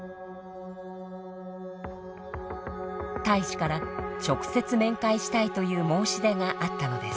大使から直接面会したいという申し出があったのです。